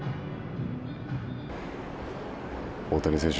大谷選手